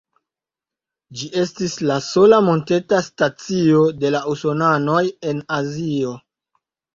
Ĝi estis la sola monteta stacio de la Usonanoj en Azio.